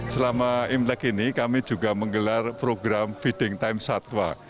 selama imlek ini kami juga menggelar program feeding time satwa